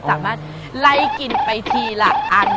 สามารถไล่กินไปทีละอัน